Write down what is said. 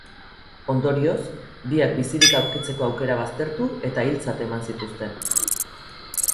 Ondorioz, biak bizirik aurkitzeko aukera baztertu eta hiltzat eman zituzten.